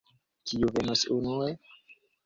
Kiu venos unue?